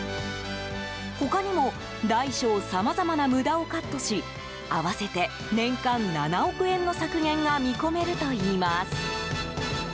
他にも大小さまざまな無駄をカットし合わせて、年間７億円の削減が見込めるといいます。